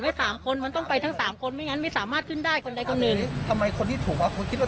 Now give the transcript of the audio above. ไม่เห็นตอนนี้ไม่เห็นด้วยค่ะ